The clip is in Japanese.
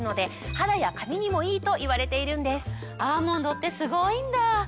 アーモンドってすごいんだぁ！